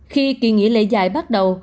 khi kỳ nghỉ lễ dạy bắt đầu